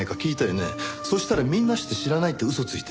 そしたらみんなして知らないって嘘ついて。